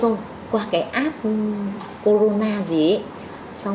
những người đây sự cấp trả được